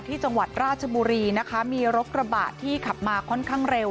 ที่จังหวัดราชบุรีนะคะมีรถกระบะที่ขับมาค่อนข้างเร็ว